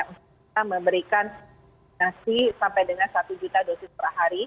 untuk memberikan vaksinasi sampai dengan satu juta dosis per hari